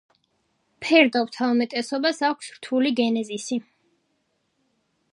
ფერდობთა უმეტესობას აქვს რთული გენეზისი.